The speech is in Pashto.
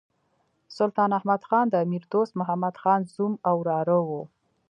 سلطان احمد خان د امیر دوست محمد خان زوم او وراره وو.